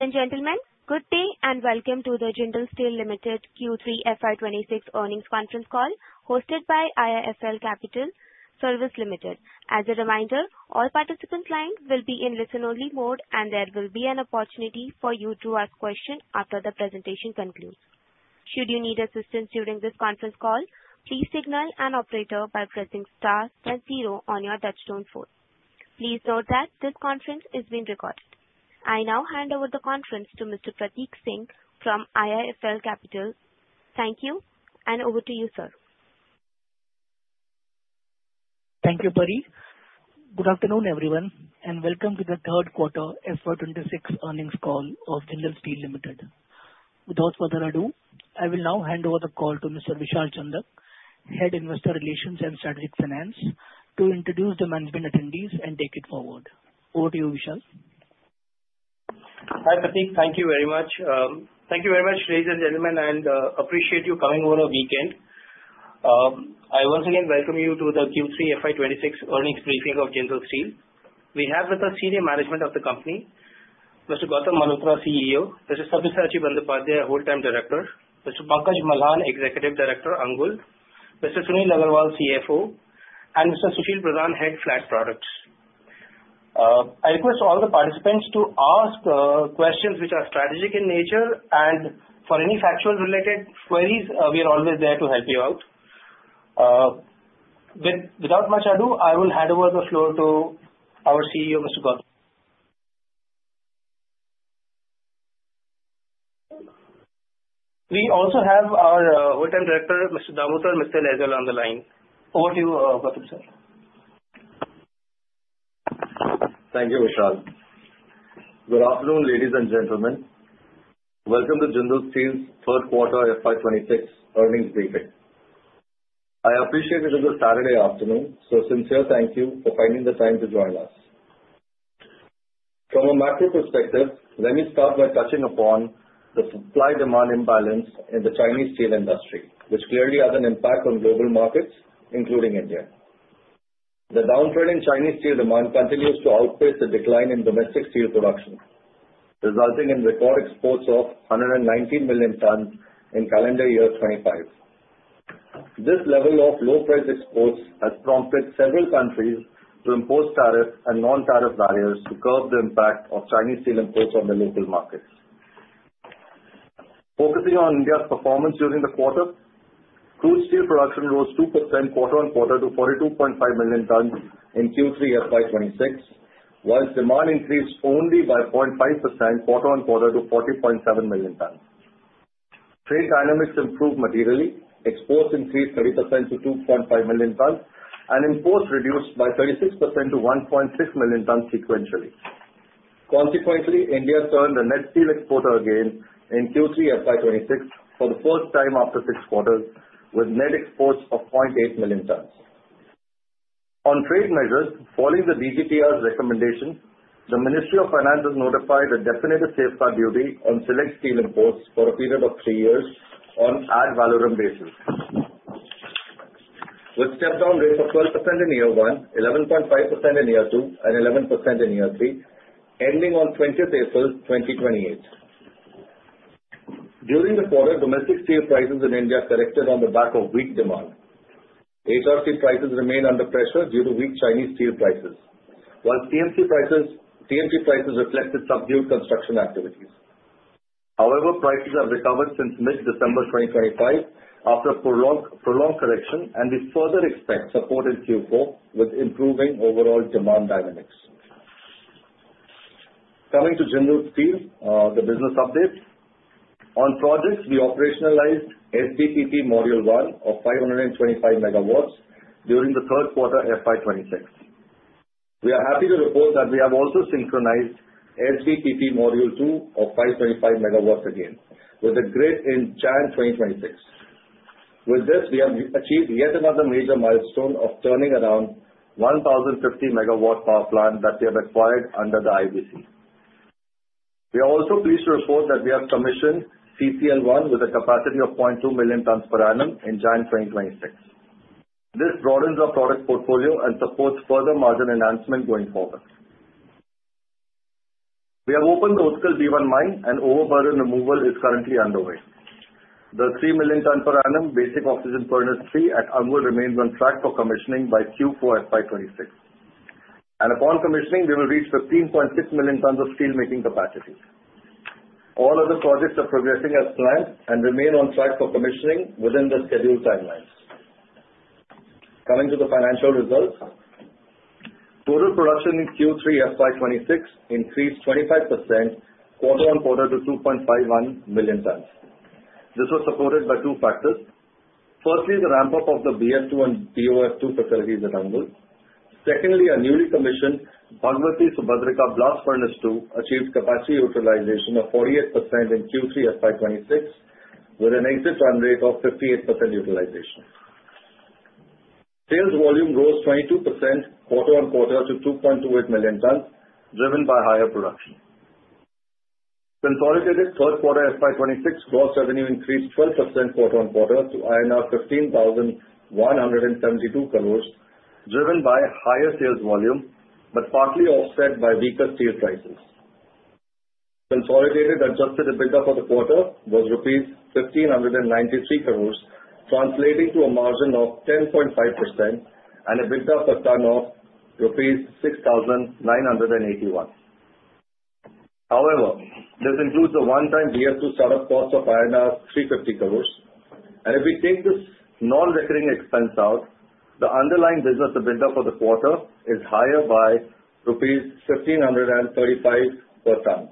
Ladies and gentlemen, good day and welcome to the Jindal Steel Limited Q3 FY 2026 earnings conference call, hosted by IIFL Securities Limited. As a reminder, all participant lines will be in listen-only mode, and there will be an opportunity for you to ask questions after the presentation concludes. Should you need assistance during this conference call, please signal an operator by pressing star then zero on your touchtone phone. Please note that this conference is being recorded. I now hand over the conference to Mr. Prateek Singh from IIFL Securities. Thank you, and over to you, sir. Thank you, Pari. Good afternoon, everyone, and welcome to the third quarter FY 2026 earnings call of Jindal Steel Limited. Without further ado, I will now hand over the call to Mr. Vishal Chandak, Head Investor Relations and Strategic Finance, to introduce the management attendees and take it forward. Over to you, Vishal. Hi, Prateek. Thank you very much. Thank you very much, ladies and gentlemen, and appreciate you coming over a weekend. I once again welcome you to the Q3 FY 2026 earnings briefing of Jindal Steel. We have with us senior management of the company, Mr. Gautam Chandra, CEO; Mr. Sabyasachi Bandyopadhyay, Whole-time Director; Mr. Pankaj Gautam, Executive Director, Angul; Mr. Sunil Agrawal, CFO; and Mr. Sushil Tirhan, Head, Flat Products. I request all the participants to ask questions which are strategic in nature, and for any factual-related queries, we are always there to help you out. Without much ado, I will hand over the floor to our CEO, Mr. Gautam. We also have our Whole-time Director, Mr. Damodar Mittal, Mr. Neeraj Kumar on the line. Over to you, Gautam, sir. Thank you, Vishal. Good afternoon, ladies and gentlemen. Welcome to Jindal Steel's first quarter FY 2026 earnings briefing. I appreciate it is a Saturday afternoon, so a sincere thank you for finding the time to join us. From a macro perspective, let me start by touching upon the supply-demand imbalance in the Chinese steel industry, which clearly has an impact on global markets, including India. The downturn in Chinese steel demand continues to outpace the decline in domestic steel production, resulting in record exports of 119 million tons in calendar year 2025. This level of low-price exports has prompted several countries to impose tariff and non-tariff barriers to curb the impact of Chinese steel imports on the local markets. Focusing on India's performance during the quarter, crude steel production rose 2% quarter-on-quarter to 42.5 million tons in Q3 FY 2026, while demand increased only by 0.5% quarter-on-quarter to 40.7 million tons. Trade dynamics improved materially. Exports increased 30% to 2.5 million tons, and imports reduced by 36% to 1.6 million tons sequentially. Consequently, India turned a net steel exporter again in Q3 FY 2026 for the first time after 6 quarters, with net exports of 0.8 million tons. On trade measures, following the DGTR's recommendation, the Ministry of Finance has notified a definitive safeguard duty on select steel imports for a period of three years on ad valorem basis, with step-down rates of 12% in year one, 11.5% in year two, and 11% in year three, ending on 20 April 2028. During the quarter, domestic steel prices in India corrected on the back of weak demand. HRC prices remained under pressure due to weak Chinese steel prices, while TMT prices reflected subdued construction activities. However, prices have recovered since mid-December 2025 after a prolonged correction, and we further expect support in Q4 with improving overall demand dynamics. Coming to Jindal Steel, the business update. On projects, we operationalized CPP Module One of 525 megawatts during the third quarter FY 2026. We are happy to report that we have also synchronized CPP Module Two of 525 MW again, with a grid in January 2026. With this, we have achieved yet another major milestone of turning around 1,050 MW power plant that we have acquired under the IBC. We are also pleased to report that we have commissioned CCL1 with a capacity of 0.2 million tons per annum in January 2026. This broadens our product portfolio and supports further margin enhancement going forward. We have opened the Utkal B1 mine, and overburden removal is currently underway. The 3 million tons per annum Basic Oxygen Furnace 3 at Angul remains on track for commissioning by Q4 FY 2026, and upon commissioning, we will reach 13.6 million tons of steelmaking capacity. All other projects are progressing as planned and remain on track for commissioning within the scheduled timelines. Coming to the financial results. Total production in Q3 FY 2026 increased 25%, quarter on quarter to 2.51 million tons. This was supported by two factors. Firstly, the ramp-up of the BF2 and BOF2 facilities at Angul. Secondly, our newly commissioned Subhadra Blast Furnace 2 achieved capacity utilization of 48% in Q3 FY 2026, with an exit run rate of 58% utilization. Sales volume rose 22% quarter on quarter to 2.28 million tons, driven by higher production. Consolidated third quarter FY 2026 gross revenue increased 12% quarter on quarter to INR 15,172 crores.... driven by higher sales volume, but partly offset by weaker steel prices. Consolidated Adjusted EBITDA for the quarter was rupees 1,593 crore, translating to a margin of 10.5% and EBITDA per ton of rupees 6,981. However, this includes a one-time BF2 startup cost of 350 crore. If we take this non-recurring expense out, the underlying business EBITDA for the quarter is higher by rupees 1,535 per ton,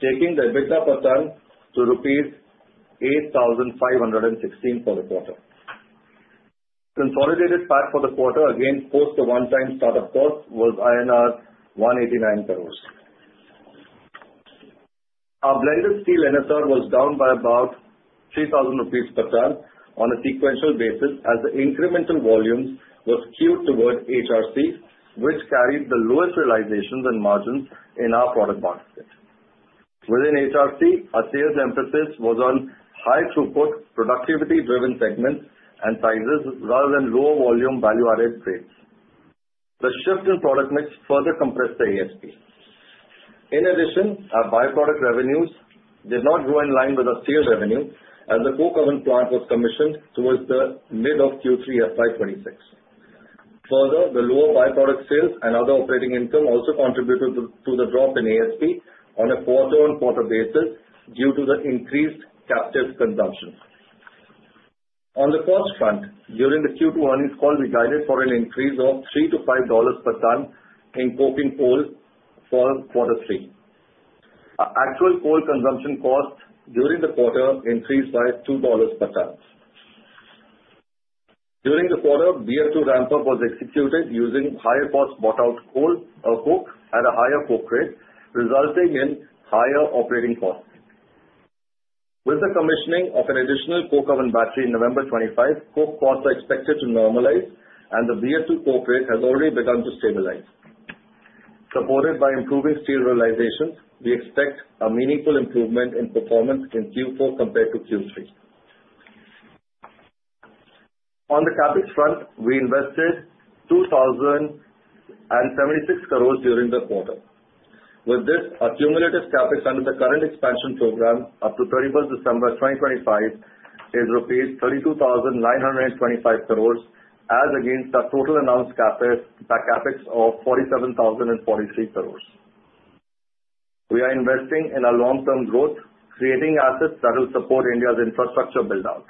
taking the EBITDA per ton to rupees 8,516 for the quarter. Consolidated PAT for the quarter, again, post the one-time startup cost, was INR 189 crore. Our blended steel NSR was down by about 3,000 rupees per ton on a sequential basis as the incremental volumes were skewed towards HRC, which carried the lowest realizations and margins in our product basket. Within HRC, our sales emphasis was on high throughput, productivity-driven segments and sizes rather than lower volume, value-added trades. The shift in product mix further compressed the ASP. In addition, our byproduct revenues did not grow in line with our steel revenue as the coke oven plant was commissioned towards the mid of Q3 FY 2026. Further, the lower byproduct sales and other operating income also contributed to the drop in ASP on a quarter-on-quarter basis due to the increased captive consumption. On the cost front, during the Q2 earnings call, we guided for an increase of $3-$5 per ton in coking coal for quarter three. Our actual coal consumption costs during the quarter increased by $2 per ton. During the quarter, BF2 ramp-up was executed using higher-cost bought-out coal or coke at a higher coke rate, resulting in higher operating costs. With the commissioning of an additional coke oven battery in November 2025, coke costs are expected to normalize, and the BF2 coke rate has already begun to stabilize. Supported by improving steel realizations, we expect a meaningful improvement in performance in Q4 compared to Q3. On the CapEx front, we invested 2,076 crores during the quarter. With this, our cumulative CapEx under the current expansion program up to 31 December 2025 is 32,925 crores rupees, as against our total announced CapEx, our CapEx of 47,043 crores. We are investing in our long-term growth, creating assets that will support India's infrastructure build-out.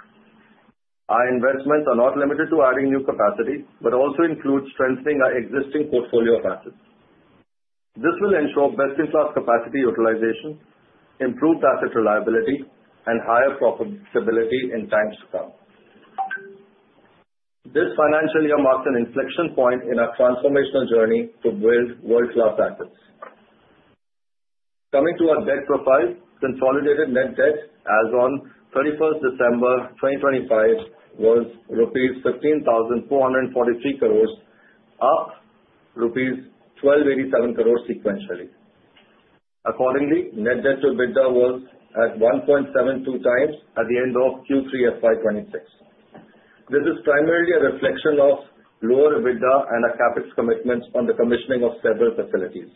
Our investments are not limited to adding new capacity, but also include strengthening our existing portfolio of assets. This will ensure best-in-class capacity utilization, improved asset reliability, and higher profitability in times to come. This financial year marks an inflection point in our transformational journey to build world-class assets. Coming to our debt profile, consolidated net debt as on 31st December 2025 was rupees 15,443 crores, up rupees 1,287 crores sequentially. Accordingly, net debt to EBITDA was at 1.72 times at the end of Q3 FY 2026. This is primarily a reflection of lower EBITDA and our CapEx commitments on the commissioning of several facilities.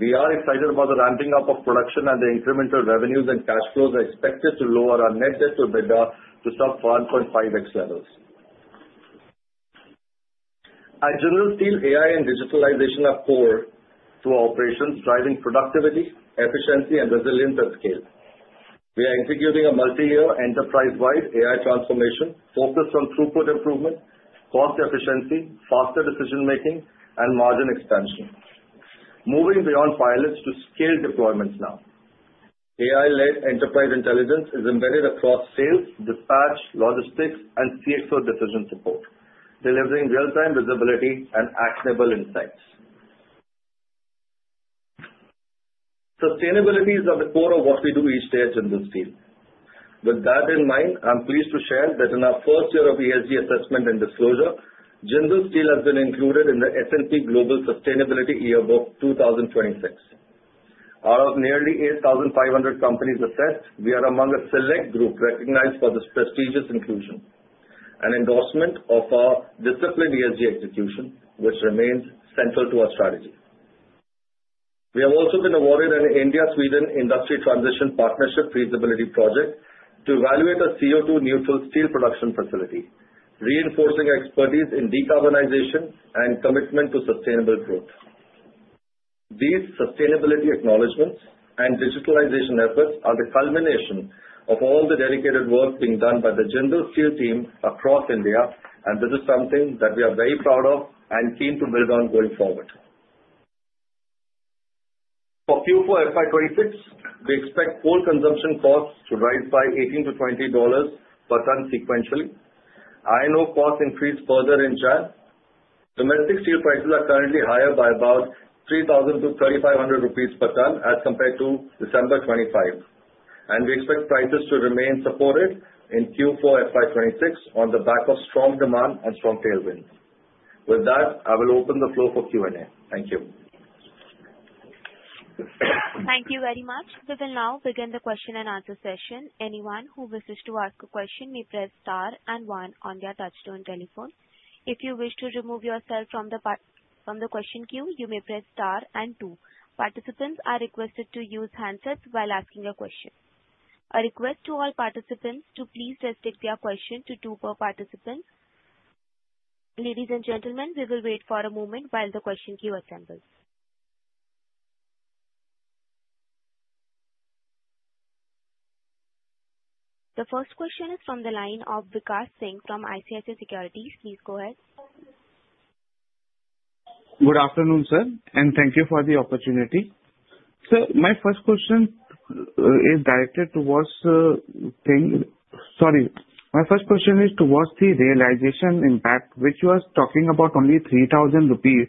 We are excited about the ramping up of production, and the incremental revenues and cash flows are expected to lower our net debt to EBITDA to sub 1.5x levels. At Jindal Steel, AI and digitalization are core to our operations, driving productivity, efficiency, and resilience at scale. We are executing a multi-year, enterprise-wide AI transformation focused on throughput improvement, cost efficiency, faster decision-making, and margin expansion, moving beyond pilots to scale deployments now. AI-led enterprise intelligence is embedded across sales, dispatch, logistics, and CSO decision support, delivering real-time visibility and actionable insights. Sustainability is at the core of what we do each day at Jindal Steel. With that in mind, I'm pleased to share that in our first year of ESG assessment and disclosure, Jindal Steel has been included in the S&P Global Sustainability Yearbook 2026. Out of nearly 8,500 companies assessed, we are among a select group recognized for this prestigious inclusion, an endorsement of our disciplined ESG execution, which remains central to our strategy. We have also been awarded an India-Sweden Industry Transition Partnership feasibility project to evaluate a CO2 neutral steel production facility, reinforcing expertise in decarbonization and commitment to sustainable growth. These sustainability acknowledgements and digitalization efforts are the culmination of all the dedicated work being done by the Jindal Steel team across India, and this is something that we are very proud of and keen to build on going forward. For Q4 FY 2026, we expect coal consumption costs to rise by $18-$20 per ton sequentially. Iron ore costs increase further in China. Domestic steel prices are currently higher by about 3,000-3,500 rupees per ton as compared to December 2025, and we expect prices to remain supported in Q4 FY 2026 on the back of strong demand and strong tailwinds. With that, I will open the floor for Q&A. Thank you. ...Thank you very much. We will now begin the question-and-answer session. Anyone who wishes to ask a question may press star and one on their touchtone telephone. If you wish to remove yourself from the question queue, you may press star and two. Participants are requested to use handsets while asking a question. A request to all participants to please restrict their question to two per participant. Ladies and gentlemen, we will wait for a moment while the question queue assembles. The first question is from the line of Vikas Singh from ICICI Securities. Please go ahead. Good afternoon, sir, and thank you for the opportunity. My first question is directed towards the realization impact, which you are talking about only 3,000 rupees.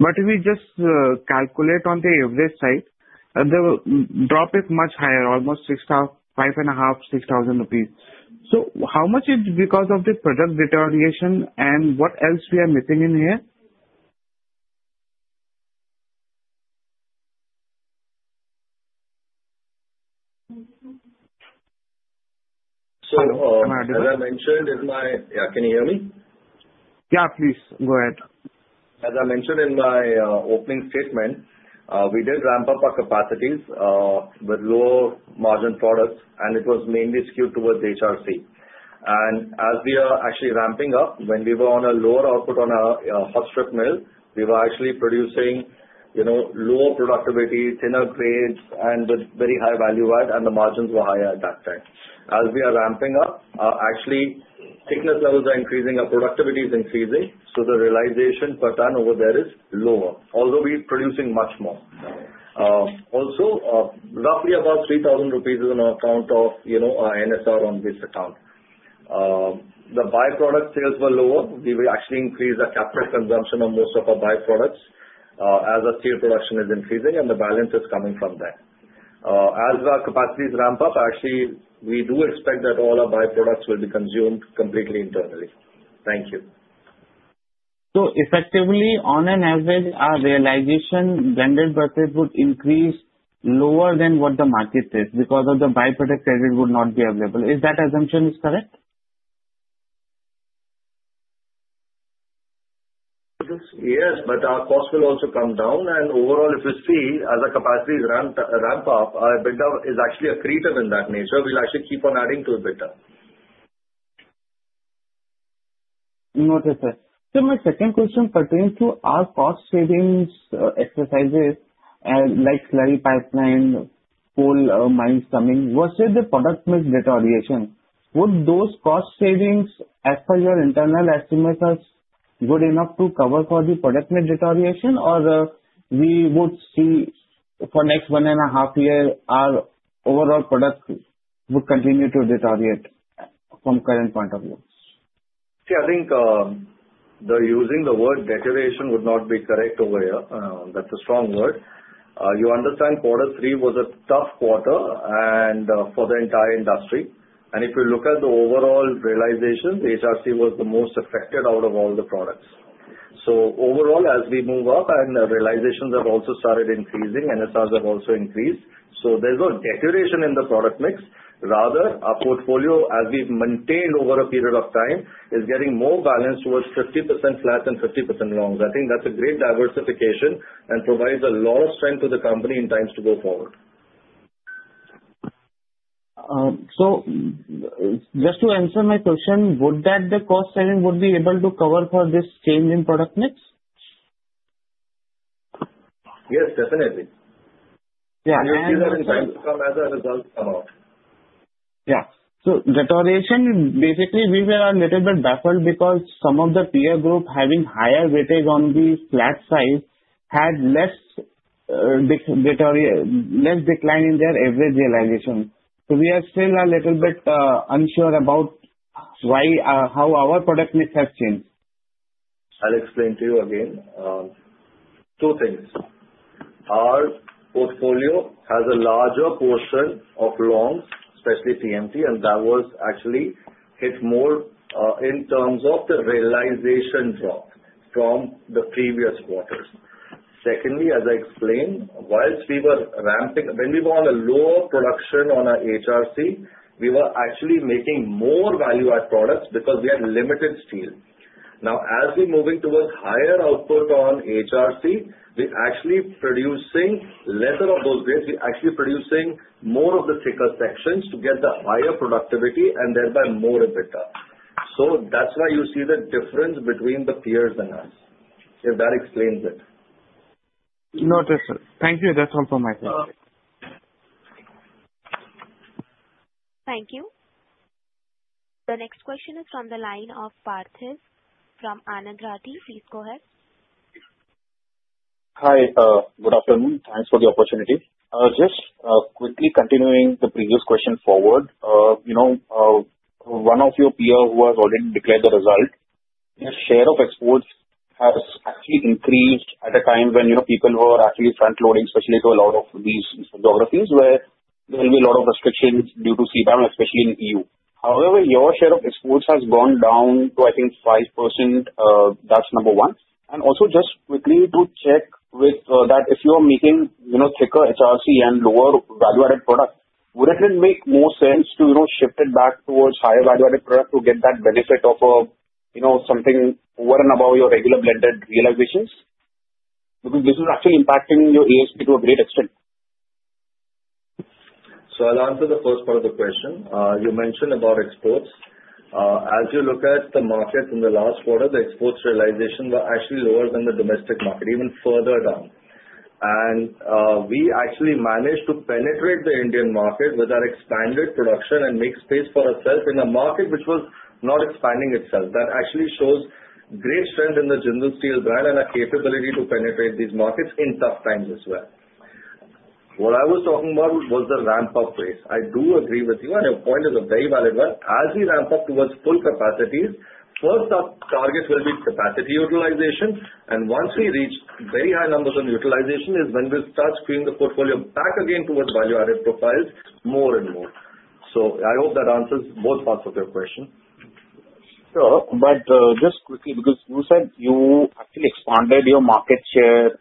But if we just calculate on the average side, the drop is much higher, almost 5,500-6,000 rupees. How much is because of the product deterioration, and what else we are missing in here? So, as I mentioned in my... Yeah, can you hear me? Yeah, please go ahead. As I mentioned in my opening statement, we did ramp up our capacities with lower margin products, and it was mainly skewed towards HRC. And as we are actually ramping up, when we were on a lower output on our hot strip mill, we were actually producing, you know, lower productivity, thinner grades, and with very high value-add, and the margins were higher at that time. As we are ramping up, actually thickness levels are increasing, our productivity is increasing, so the realization per ton over there is lower, although we're producing much more. Also, roughly about 3,000 rupees is on account of, you know, NSR on this account. The by-product sales were lower. We will actually increase the capital consumption on most of our by-products as our steel production is increasing and the balance is coming from that. As our capacities ramp up, actually, we do expect that all our by-products will be consumed completely internally. Thank you. Effectively, on an average, our realization blended budget would increase lower than what the market says because of the by-product credit would not be available. Is that assumption is correct? Yes, but our cost will also come down, and overall, if you see, as our capacities ramp up, our EBITDA is actually accretive in that nature. We'll actually keep on adding to EBITDA. Okay, sir. So my second question pertains to our cost savings, exercises, like slurry pipeline, coal, mines coming. Was it the product mix deterioration? Would those cost savings, as per your internal estimates, are good enough to cover for the product mix deterioration? Or, we would see for next one and a half year, our overall product would continue to deteriorate from current point of view? See, I think, the using the word deterioration would not be correct over here. That's a strong word. You understand quarter three was a tough quarter and, for the entire industry. And if you look at the overall realization, HRC was the most affected out of all the products. So overall, as we move up and the realizations have also started increasing, NSRs have also increased. So there's no deterioration in the product mix. Rather, our portfolio, as we've maintained over a period of time, is getting more balanced towards 50% flats and 50% longs. I think that's a great diversification and provides a lot of strength to the company in times to go forward. So just to answer my question, would that the cost saving would be able to cover for this change in product mix? Yes, definitely. Yeah. As a result. Yeah. So, deterioration, basically, we were a little bit baffled because some of the peer group having higher weightage on the flat side had less decline in their average realization. So we are still a little bit unsure about why, how our product mix has changed. I'll explain to you again. Two things. Our portfolio has a larger portion of longs, especially TMT, and that was actually hit more in terms of the realization drop from the previous quarters. Secondly, as I explained, whilst we were ramping. When we were on a lower production on our HRC, we were actually making more value-add products because we had limited steel. Now, as we're moving towards higher output on HRC, we're actually producing lesser of those grades. We're actually producing more of the thicker sections to get the higher productivity and thereby more EBITDA. So that's why you see the difference between the peers and us, if that explains it. Noted, sir. Thank you. That's all from my side. Thank you. The next question is from the line of Parthiv from Anand Rathi. Please go ahead. Hi, good afternoon. Thanks for the opportunity. Just quickly continuing the previous question forward. You know, one of your peer who has already declared the result, his share of exports has actually increased at a time when, you know, people were actually frontloading, especially to a lot of these geographies where there will be a lot of restrictions due to CBAM, especially in EU. However, your share of exports has gone down to, I think, 5%. That's number one. And also, just quickly to check with that if you are making, you know, thicker HRC and lower value-added product, would it then make more sense to, you know, shift it back towards higher value-added product to get that benefit of a, you know, something over and above your regular blended realizations? Because this is actually impacting your ASP to a great extent. So I'll answer the first part of the question. You mentioned about exports. As you look at the market in the last quarter, the exports realization were actually lower than the domestic market, even further down. We actually managed to penetrate the Indian market with our expanded production and make space for ourselves in a market which was not expanding itself. That actually shows great strength in the Jindal Steel brand and our capability to penetrate these markets in tough times as well. What I was talking about was the ramp-up phase. I do agree with you, and your point is a very valid one. As we ramp up towards full capacities, first, our target will be capacity utilization, and once we reach very high numbers on utilization, is when we'll start bringing the portfolio back again towards value-added profiles more and more. I hope that answers both parts of your question. Sure. But, just quickly, because you said you actually expanded your market share,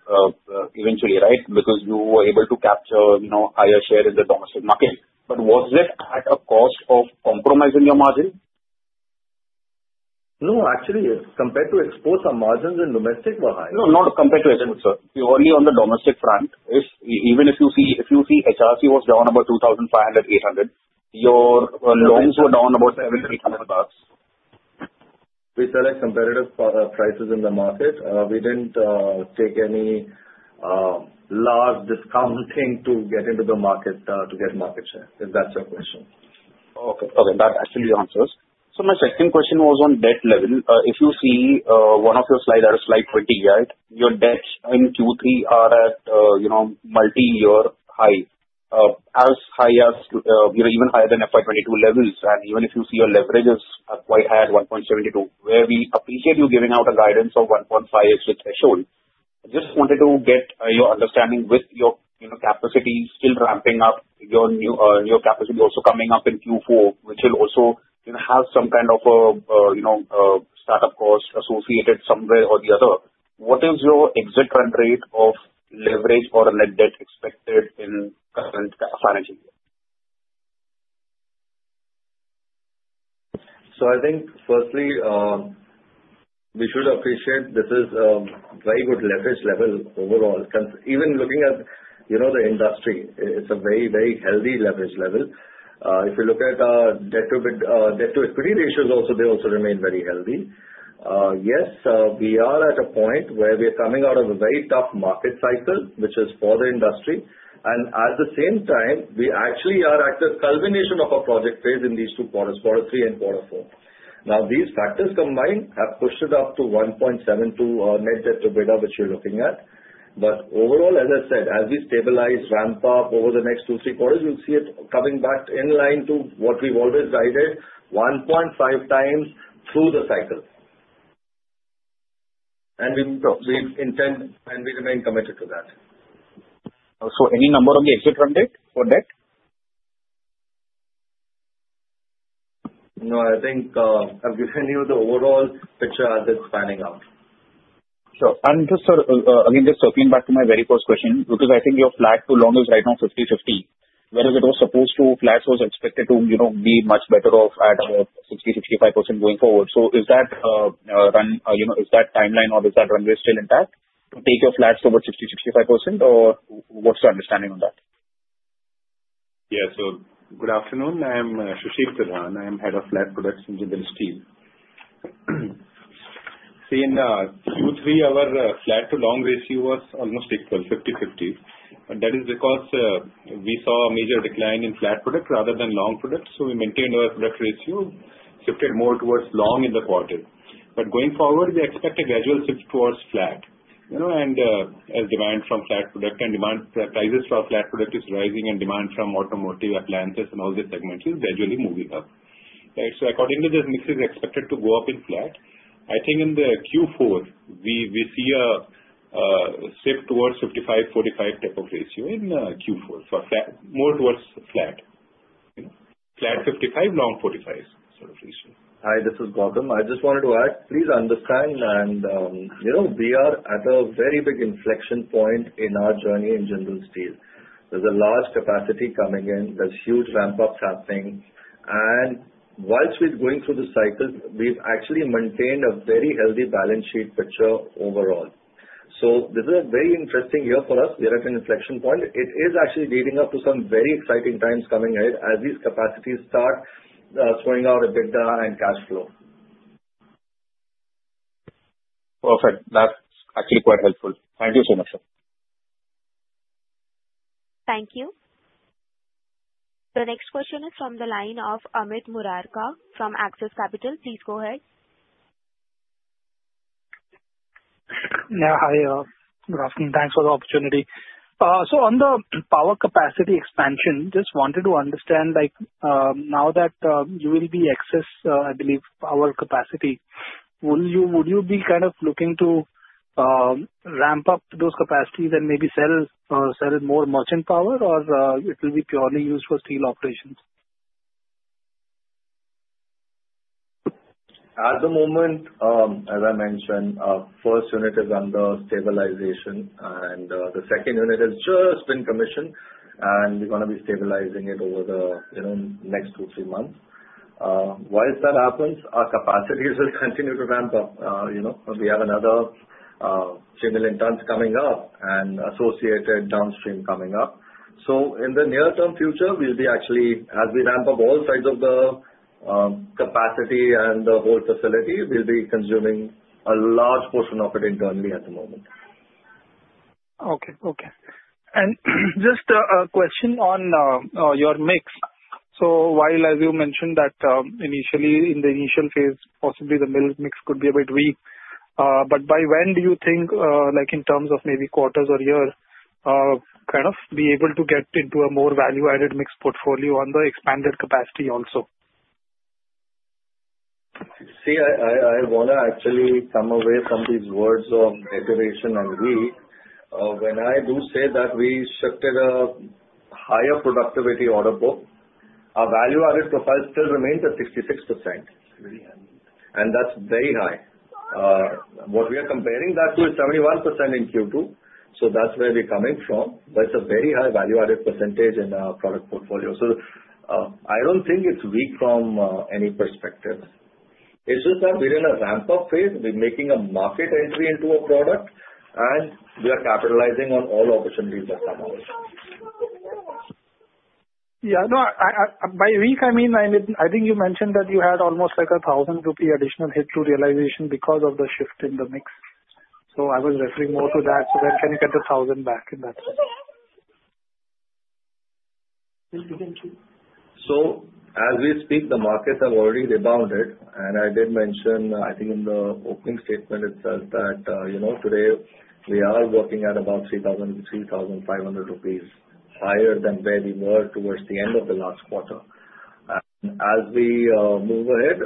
eventually, right? Because you were able to capture, you know, higher share in the domestic market. But was it at a cost of compromising your margin? No, actually, compared to exports, our margins in domestic were high. No, not compared to export, sir. Only on the domestic front. If, even if you see, if you see HRC was down about $2,500, $800, your longs were down about $7,300. We sell at competitive prices in the market. We didn't take any large discount thing to get into the market to get market share, if that's your question. Okay. Okay, that actually answers. So my second question was on debt level. If you see one of your slide, slide 20, right? Your debts in Q3 are at, you know, multiyear high. As high as, you know, even higher than FY 2022 levels. And even if you see your leverages are quite high at 1.72, where we appreciate you giving out a guidance of 1.5 as the threshold. I just wanted to get your understanding with your, you know, capacity still ramping up, your new, your capacity also coming up in Q4, which will also, you know, have some kind of, startup cost associated some way or the other. What is your exit current rate of leverage for a net debt expected in current financial year? So I think firstly, we should appreciate this is very good leverage level overall. Even looking at, you know, the industry, it's a very, very healthy leverage level. If you look at debt to EBITDA, debt to equity ratios also, they also remain very healthy. Yes, we are at a point where we are coming out of a very tough market cycle, which is for the industry, and at the same time, we actually are at the culmination of a project phase in these two quarters, quarter three and quarter four. Now, these factors combined have pushed it up to 1.72 net debt to EBITDA, which you're looking at. But overall, as I said, as we stabilize, ramp up over the next 2-3 quarters, you'll see it coming back in line to what we've always guided, 1.5 times through the cycle. And we intend, and we remain committed to that. So any number on the Equirus front, data or debt? No, I think, I've given you the overall picture as it's panning out. Sure. Just, sir, again, just circling back to my very first question, because I think your flat to long is right now 50/50, whereas it was supposed to, flat was expected to, you know, be much better off at 60%-65% going forward. So is that run... you know, is that timeline or is that runway still intact to take your flats over 60%-65%, or what's your understanding on that? Yeah. So good afternoon, I am Sushil Tirhan. I am Head of Flat Products in Jindal Steel. See, in Q3, our flat to long ratio was almost equal, 50/50. And that is because we saw a major decline in flat products rather than long products, so we maintained our product ratio, shifted more towards long in the quarter. But going forward, we expect a gradual shift towards flat. You know, and as demand from flat product and demand, prices for flat product is rising and demand from automotive, appliances, and all the segments is gradually moving up. So according to this, this is expected to go up in flat. I think in the Q4, we see a shift towards 55/45 type of ratio in Q4 for flat, more towards flat. You know, flat 55, long 45 sort of ratio. Hi, this is Gautam. I just wanted to add, please understand and, you know, we are at a very big inflection point in our journey in Jindal Steel. There's a large capacity coming in. There's huge ramp-up happening. And while we're going through this cycle, we've actually maintained a very healthy balance sheet picture overall. So this is a very interesting year for us. We are at an inflection point. It is actually leading up to some very exciting times coming ahead as these capacities start, throwing out EBITDA and cash flow. Perfect. That's actually quite helpful. Thank you so much, sir. Thank you. The next question is from the line of Amit Murarka from Axis Capital. Please go ahead. Yeah, hi, good afternoon. Thanks for the opportunity. So on the power capacity expansion, just wanted to understand, like, now that you will be excess, I believe, power capacity, will you, would you be kind of looking to ramp up those capacities and maybe sell, sell it more merchant power, or it will be purely used for steel operations? At the moment, as I mentioned, first unit is under stabilization, and the second unit has just been commissioned, and we're gonna be stabilizing it over the, you know, next two, three months. Once that happens, our capacities will continue to ramp up. You know, we have another, 2 million tons coming up and associated downstream coming up. So in the near-term future, we'll be actually, as we ramp up all sides of the, capacity and the whole facility, we'll be consuming a large portion of it internally at the moment. Okay. Okay. And just a question on your mix. So while, as you mentioned, that initially, in the initial phase, possibly the mill mix could be a bit weak, but by when do you think, like in terms of maybe quarters or year, kind of be able to get into a more value-added mix portfolio on the expanded capacity also? See, I wanna actually come away from these words of degradation and weak. When I do say that we shifted a higher productivity order book, our value-added profile still remains at 66%, and that's very high. What we are comparing that to is 71% in Q2, so that's where we're coming from. That's a very high value-added percentage in our product portfolio. So, I don't think it's weak from any perspective. It's just that we're in a ramp-up phase, we're making a market entry into a product, and we are capitalizing on all opportunities that come out. Yeah, no, by week, I mean, I think you mentioned that you had almost like an 1,000 rupee additional hit to realization because of the shift in the mix. So I was referring more to that, so when can you get 1,000 back in that? So as we speak, the markets have already rebounded. And I did mention, I think in the opening statement itself, that, you know, today we are working at about 3,000-3,500 rupees, higher than where we were towards the end of the last quarter. And as we move ahead,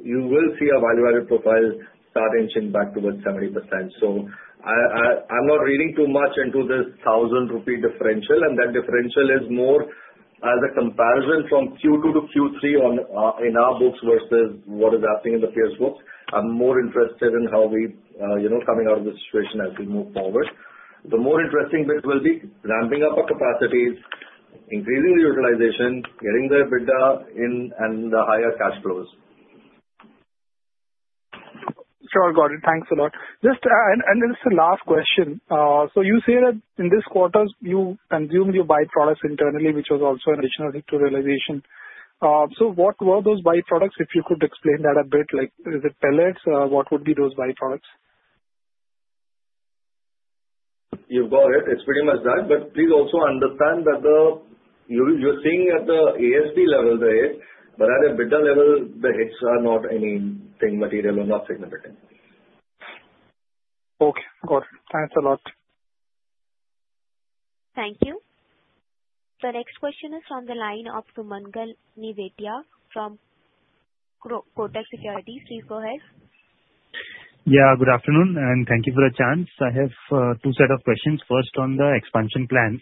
you will see our value-added profile start inching back towards 70%. So I'm not reading too much into this 1,000 rupee differential, and that differential is more as a comparison from Q2 to Q3 on, in our books versus what is happening in the peers' books. I'm more interested in how we, you know, coming out of this situation as we move forward. The more interesting bit will be ramping up our capacities, increasing the utilization, getting the EBITDA in, and the higher cash flows. Sure, got it. Thanks a lot. Just and this is the last question. So you say that in this quarters you consumed your byproducts internally, which was also an additional hit to realization. So what were those byproducts? If you could explain that a bit, like is it pellets? What would be those byproducts? You've got it. It's pretty much that. But please also understand that you're seeing at the ASP level, the hit, but at the EBITDA level, the hits are not anything material or not significant. Okay, got it. Thanks a lot. Thank you. The next question is from the line of Sumangal Nevatia from Kotak Securities. Please go ahead. Yeah, good afternoon, and thank you for the chance. I have two set of questions. First, on the expansion plans.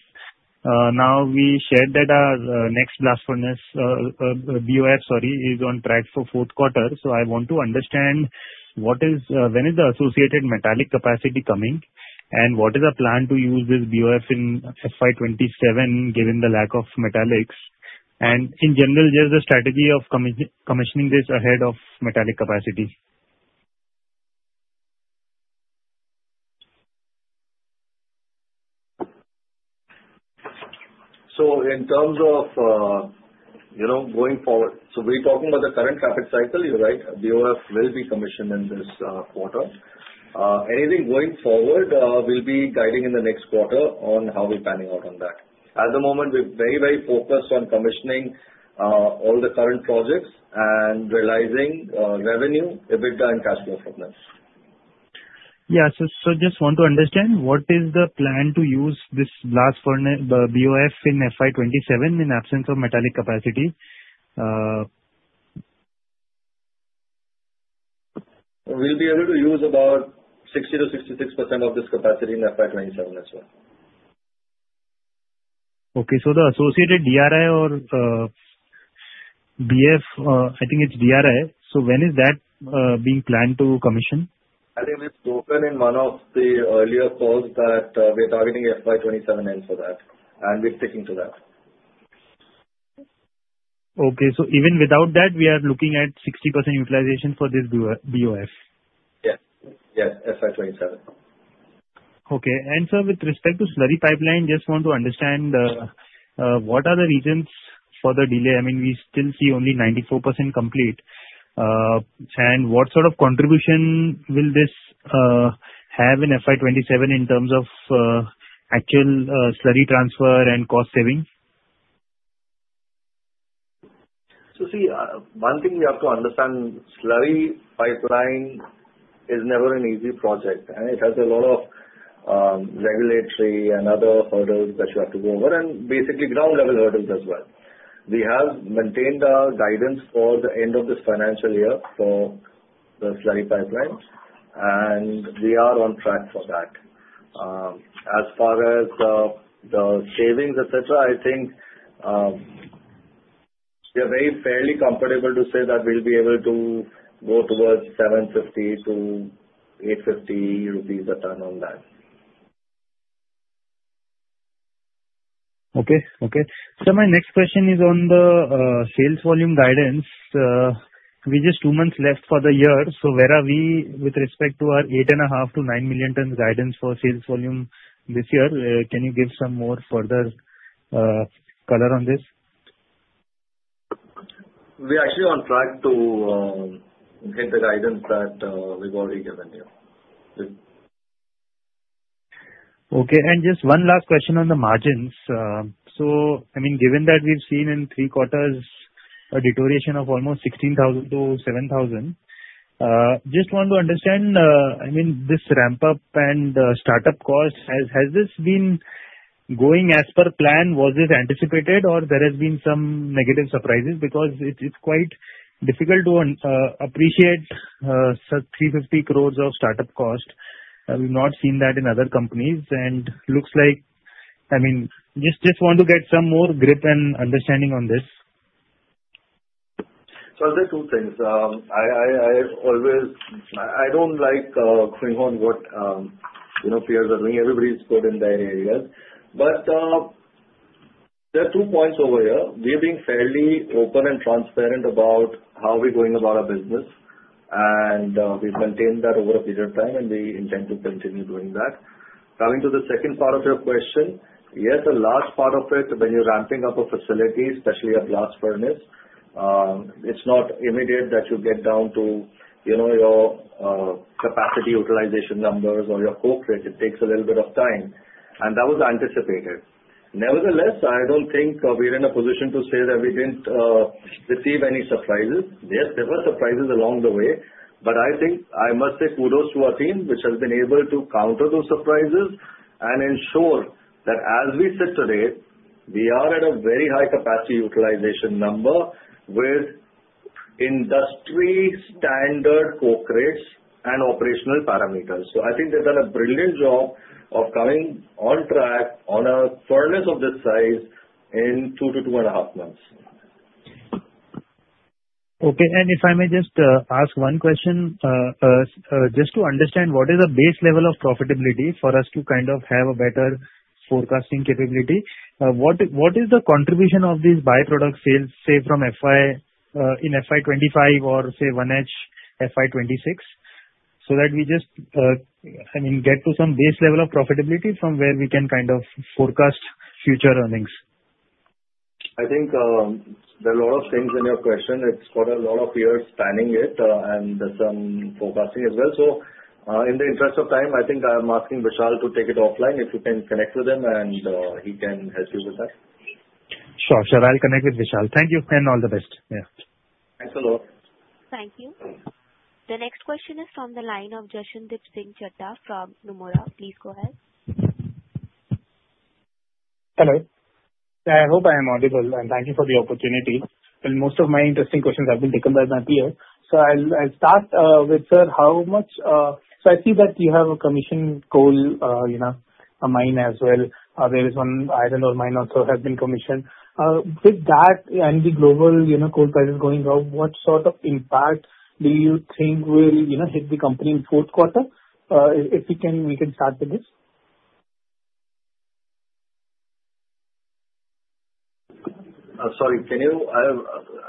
Now we shared that our next blast furnace, BOF, sorry, is on track for fourth quarter. So I want to understand what is when is the associated metallic capacity coming, and what is the plan to use this BOF in FY 2027, given the lack of metallics? And in general, just the strategy of commissioning this ahead of metallic capacity. So in terms of, you know, going forward, so we're talking about the current traffic cycle, you're right, BOF will be commissioned in this quarter. Anything going forward, we'll be guiding in the next quarter on how we're planning out on that. At the moment, we're very, very focused on commissioning all the current projects and realizing revenue, EBITDA, and cash flows from this. Yeah. So, just want to understand, what is the plan to use this blast furnace, the BOF, in FY 2027, in absence of metallic capacity? We'll be able to use about 60%-66% of this capacity in FY 2027 as well. Okay, so the associated DRI or BF, I think it's DRI. So when is that being planned to commission? I think we've spoken in one of the earlier calls that, we are targeting FY 2027 end for that, and we're sticking to that. Okay. So even without that, we are looking at 60% utilization for this BO-BOF? Yes. Yes, FY 27. Okay. Sir, with respect to slurry pipeline, just want to understand what are the reasons for the delay? I mean, we still see only 94% complete. And what sort of contribution will this have in FY 2027 in terms of actual slurry transfer and cost savings? So see, one thing we have to understand, slurry pipelining is never an easy project, and it has a lot of regulatory and other hurdles that you have to go over, and basically ground-level hurdles as well... We have maintained our guidance for the end of this financial year for the slurry pipeline, and we are on track for that. As far as the savings, et cetera, I think, we are very fairly comfortable to say that we'll be able to go towards 750-850 rupees a ton on that. Okay, okay. So my next question is on the sales volume guidance. We're just two months left for the year, so where are we with respect to our 8.5-9 million ton guidance for sales volume this year? Can you give some more further color on this? We are actually on track to get the guidance that we've already given you. Yes. Okay, and just one last question on the margins. So I mean, given that we've seen in three quarters a deterioration of almost 16,000 to 7,000, just want to understand, I mean, this ramp-up and start-up cost, has, has this been going as per plan? Was this anticipated or there has been some negative surprises? Because it is quite difficult to appreciate, sir, 350 crore of start-up cost. I've not seen that in other companies, and looks like... I mean, just want to get some more grip and understanding on this. So there are two things. I always don't like going on what, you know, peers are doing. Everybody is good in their areas. But there are two points over here. We've been fairly open and transparent about how we're going about our business, and we've maintained that over a period of time, and we intend to continue doing that. Coming to the second part of your question, yes, a large part of it, when you're ramping up a facility, especially a blast furnace, it's not immediate that you get down to, you know, your capacity utilization numbers or your coke rate. It takes a little bit of time, and that was anticipated. Nevertheless, I don't think we're in a position to say that we didn't receive any surprises. Yes, there were surprises along the way, but I think I must say kudos to our team, which has been able to counter those surprises and ensure that as we sit today, we are at a very high capacity utilization number with industry standard coke rates and operational parameters. So I think they've done a brilliant job of coming on track on a furnace of this size in 2-2.5 months. Okay. And if I may just ask one question, just to understand what is the base level of profitability for us to kind of have a better forecasting capability? What, what is the contribution of these byproducts sales, say, from FY, in FY 2025 or, say, onwards, FY 2026? So that we just, I mean, get to some base level of profitability from where we can kind of forecast future earnings. I think, there are a lot of things in your question. It's got a lot of years spanning it, and there's some forecasting as well. So, in the interest of time, I think I'm asking Vishal to take it offline, if you can connect with him, and he can help you with that. Sure, sure. I'll connect with Vishal. Thank you, and all the best. Yeah. Thanks a lot. Thank you. The next question is from the line of Jaswinder Singh Chadha from Nomura. Please go ahead. Hello. I hope I am audible, and thank you for the opportunity. Well, most of my interesting questions have been taken by my peer. So I'll start with, sir. So I see that you have a commissioned coal mine as well. There is one iron ore mine also has been commissioned. With that and the global, you know, coal prices going up, what sort of impact do you think will, you know, hit the company in fourth quarter? If we can start with this. Sorry, can you,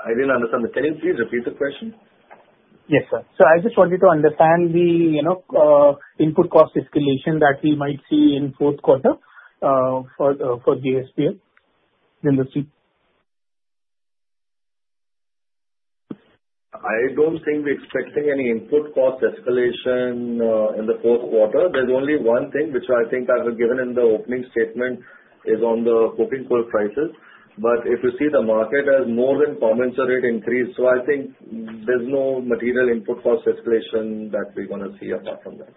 I didn't understand. Can you please repeat the question? Yes, sir. So I just wanted to understand the, you know, input cost escalation that we might see in fourth quarter for JSPL in the street. I don't think we're expecting any input cost escalation in the fourth quarter. There's only one thing, which I think I have given in the opening statement, is on the coking coal prices. But if you see, the market has more than commensurate increase. So I think there's no material input cost escalation that we're gonna see apart from that.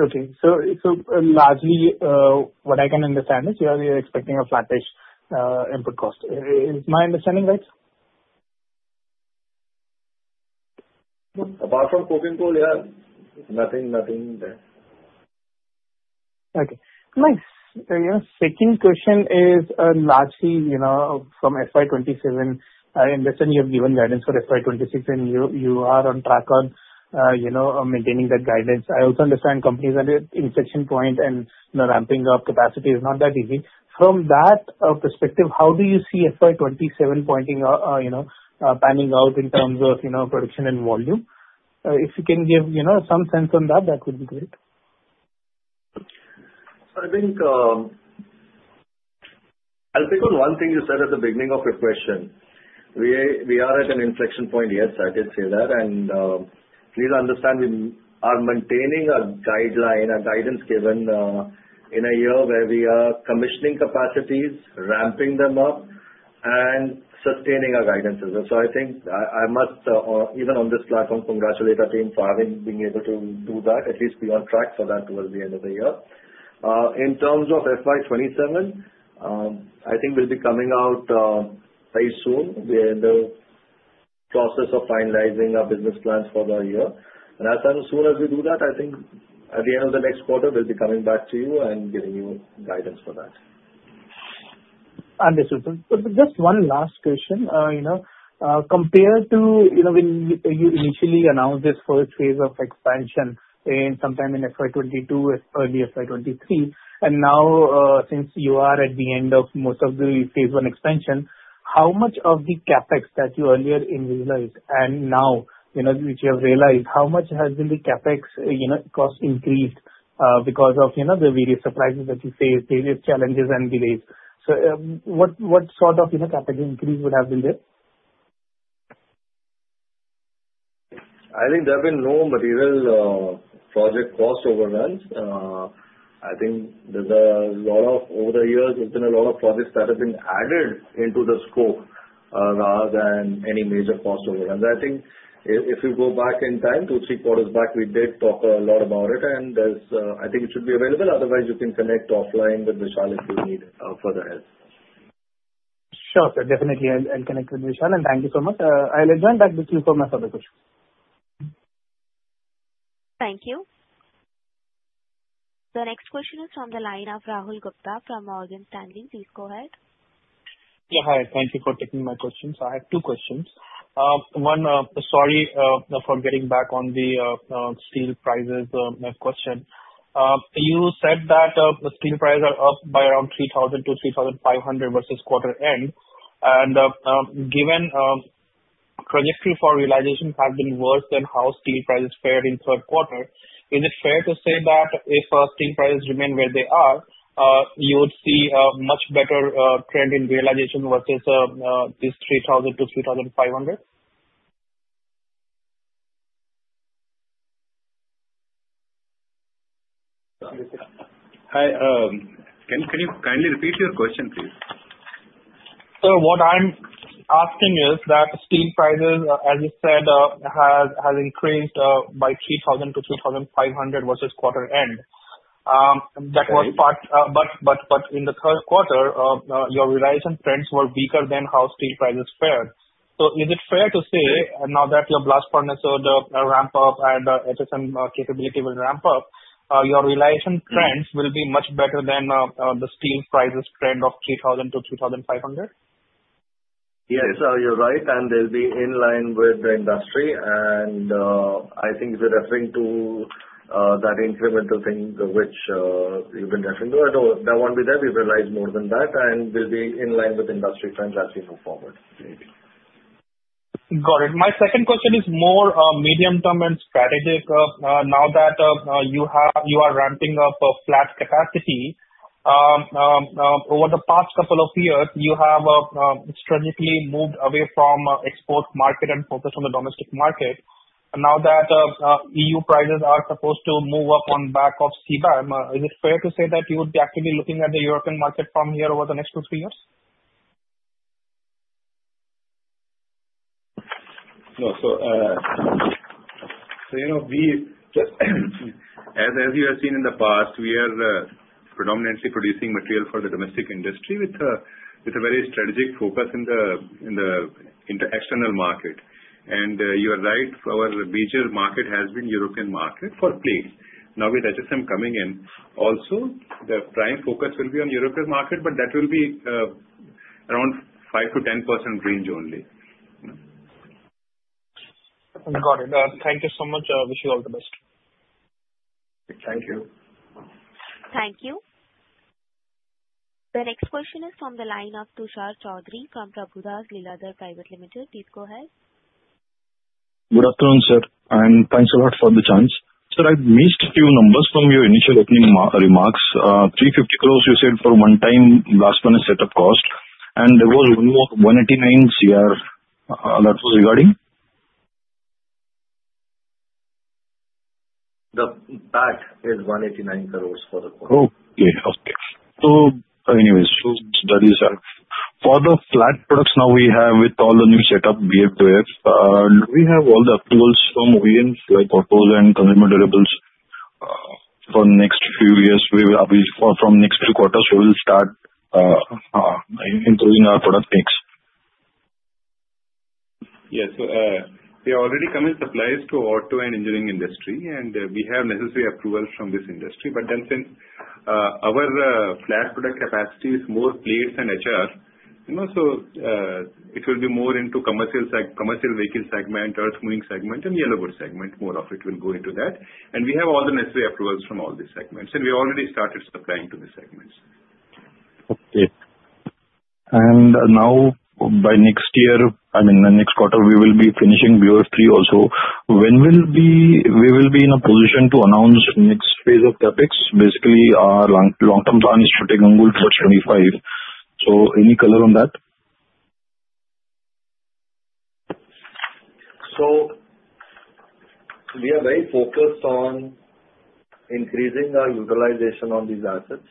Okay. So, so largely, what I can understand is you are, you are expecting a flatish input cost. Is my understanding right? Apart from coking coal, yeah, nothing, nothing there. Okay, nice. And your second question is, largely, you know, from FY 2027, I understand you have given guidance for FY 2026, and you, you are on track on, you know, on maintaining that guidance. I also understand companies are at inflection point, and, you know, ramping up capacity is not that easy. From that, perspective, how do you see FY 2027 pointing out or, you know, panning out in terms of, you know, production and volume? If you can give, you know, some sense on that, that would be great. So I think, I'll pick on one thing you said at the beginning of your question. We, we are at an inflection point, yes, I did say that, and, please understand we are maintaining a guideline, a guidance given, in a year where we are commissioning capacities, ramping them up... and sustaining our guidances. And so I think I, I must, even on this platform, congratulate our team for having been able to do that, at least be on track for that towards the end of the year. In terms of FY 2027, I think we'll be coming out very soon. We're in the process of finalizing our business plans for the year. And as soon as we do that, I think at the end of the next quarter, we'll be coming back to you and giving you guidance for that. Understood, sir. But just one last question. You know, compared to, you know, when you initially announced this first phase of expansion in sometime in FY 2022, early FY 2023, and now, since you are at the end of most of the phase one expansion, how much of the CapEx that you earlier envisaged and now, you know, which you have realized, how much has been the CapEx, you know, cost increased, because of, you know, the various surprises that you face, various challenges and delays? So, what, what sort of, you know, CapEx increase would have been there? I think there have been no material project cost overruns. I think there's a lot of... Over the years, there's been a lot of projects that have been added into the scope, rather than any major cost overruns. I think if you go back in time, two, three quarters back, we did talk a lot about it, and there's, I think it should be available. Otherwise, you can connect offline with Vishal if you need further help. Sure, sir. Definitely, I'll connect with Vishal, and thank you so much. I'll adjourn that. This is from my side of the question. Thank you. The next question is from the line of Rahul Gupta from Morgan Stanley. Please go ahead. Yeah, hi. Thank you for taking my questions. I have two questions. One, sorry, for getting back on the steel prices, my question. You said that the steel prices are up by around 3,000-3,500 versus quarter end. And, given trajectory for realization have been worse than how steel prices fared in third quarter, is it fair to say that if steel prices remain where they are, you would see a much better trend in realization versus this 3,000-3,500? Hi. Can you kindly repeat your question, please? Sir, what I'm asking is that steel prices, as you said, has increased by 3,000-3,500 versus quarter end. That was part- Okay. But in the third quarter, your realization trends were weaker than how steel prices fared. So is it fair to say, now that your blast furnace will ramp up and HSM capability will ramp up, your realization trends- Mm. -will be much better than the steel prices trend of 3,000-3,500? Yes, you're right, and they'll be in line with the industry. And, I think you're referring to, that incremental thing which, you've been referring to. I know that won't be there. We've realized more than that, and we'll be in line with industry trends as we move forward. Got it. My second question is more medium-term and strategic. Now that you are ramping up the flat capacity over the past couple of years, you have strategically moved away from export market and focused on the domestic market. And now that EU prices are supposed to move up on back of CBAM, is it fair to say that you would be actively looking at the European market from here over the next 2-3 years? No. So, you know, we, as you have seen in the past, we are predominantly producing material for the domestic industry with a very strategic focus in the external market. And, you are right, our major market has been European market for plates. Now, with HSM coming in, also the prime focus will be on European market, but that will be around 5%-10% range only. Got it. Thank you so much. I wish you all the best. Thank you. Thank you. The next question is from the line of Tushar Chaudhari from Prabhudas Lilladher Private Limited. Please go ahead. Good afternoon, sir, and thanks a lot for the chance. Sir, I've missed a few numbers from your initial opening mar- remarks. 350 crore you said for one time blast furnace set up cost, and there was a review of 189 crore, that was regarding? The PAT is 189 crore for the- Okay. Okay. So anyways, so that is... For the flat products now we have with all the new setup, BF2F, do we have all the approvals from OEM, like auto and consumer durables, for next few years? We, we, from next two quarters, we will start, improving our product mix. Yes. So, we are already coming supplies to auto and engineering industry, and, we have necessary approvals from this industry. But then since, our, flat product capacity is more plates than HR, you know, so, it will be more into commercial vehicle segment, earth moving segment, and yellow goods segment. More of it will go into that. We have all the necessary approvals from all these segments, and we already started supplying to the segments. Okay. Now by next year, I mean, the next quarter, we will be finishing BOF3 also. When will we be in a position to announce next phase of CapEx? Basically, our long-term plan is to take Angul to 25. So any color on that?... So we are very focused on increasing our utilization on these assets,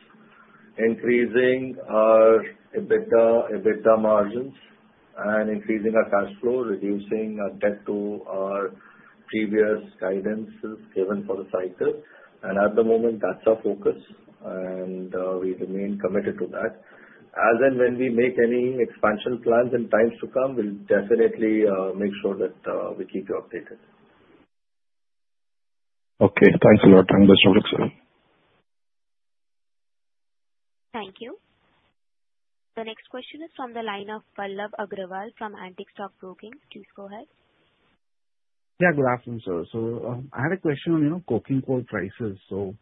increasing our EBITDA, EBITDA margins, and increasing our cash flow, reducing our debt to our previous guidances given for the cycle. And at the moment, that's our focus, and we remain committed to that. As and when we make any expansion plans in times to come, we'll definitely make sure that we keep you updated. Okay. Thanks a lot. Thanks for your concern. Thank you. The next question is from the line of Pallav Agarwal from Antique Stock Broking. Please go ahead. Yeah, good afternoon, sir. So, I had a question on, you know, coking coal prices. So,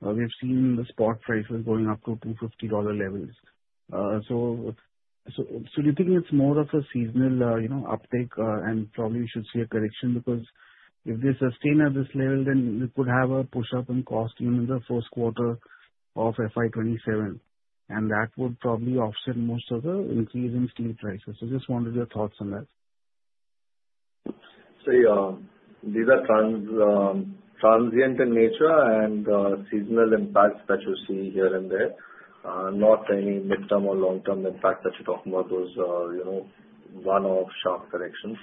we've seen the spot prices going up to $250 levels. So, do you think it's more of a seasonal, you know, uptick, and probably we should see a correction? Because if they sustain at this level, then we could have a push up in cost in the first quarter of FY 2027, and that would probably offset most of the increase in steel prices. So just wanted your thoughts on that. So, yeah, these are transient in nature and seasonal impacts that you're seeing here and there. Not any midterm or long-term impact that you're talking about, those, you know, one-off sharp corrections